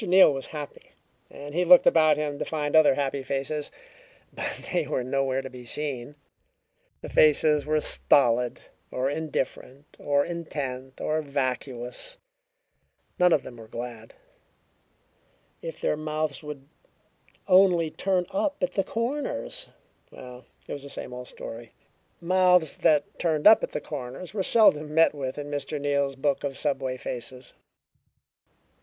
Neal was happy, and he looked about him to find other happy faces. But they were nowhere to be seen; the faces were stolid, or indifferent, or intent, or vacuous. None of them were glad. If their mouths would only turn up at the corners! Well, it was the same old story. Mouths that turned up at the corners were seldom met with in Mr. Neal's book of subway faces.